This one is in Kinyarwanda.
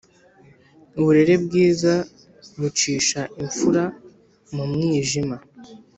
Uburere bwiza bucisha imfura mu mwijima.